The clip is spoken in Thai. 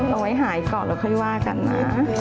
เอาไว้หายก่อนแล้วค่อยว่ากันนะ